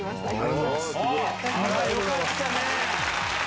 よかったね！